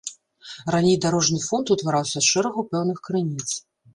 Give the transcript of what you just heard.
Раней дарожны фонд утвараўся з шэрагу пэўных крыніц.